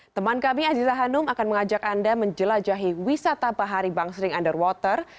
teman kami aziza hanum akan mengajak anda menjelajahi wisata bahari bangsering underwater